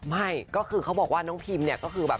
ไม่ก็คือเขาบอกว่าน้องพิมเนี่ยก็คือแบบ